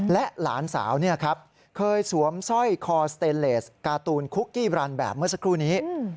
และหลานสาวเคยสวมสร้อยคอสเตเลสการ์ตูนคุกกี้บรันแบบเมื่อสักครู่นี้